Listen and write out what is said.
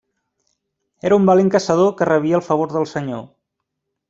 Era un valent caçador que rebia el favor del Senyor.